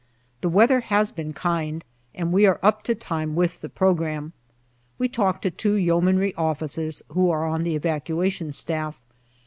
The weather has been kind, and we are up to time with the programme. We talk to two Yeomanry officers who are on the Evacuation Staff.